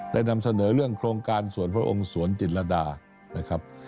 นำเสนอเรื่องโครงการสวนพระองค์สวนจิตรดานะครับ